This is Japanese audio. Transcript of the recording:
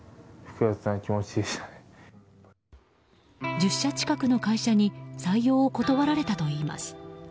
１０社近くの会社に採用を断られたといいます。